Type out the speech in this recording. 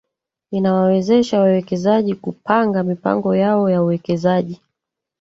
inawawezesha wawekezaji kupanga mipango yao ya uwekezaji